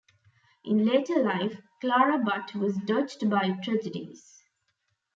In later life, Clara Butt was dogged by tragedies.